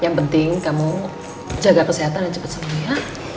yang penting kamu jaga kesehatan dan cepet sembuh ya